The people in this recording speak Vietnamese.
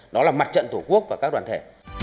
đó là mặt trận tổ quốc và các đoàn thể